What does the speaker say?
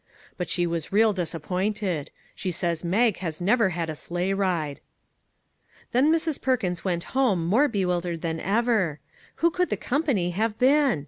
But she was real disappointed; she says Mag has never had a sleigh ride." Then Mrs. Perkins went home more be wildered than ever. Who could the company have been?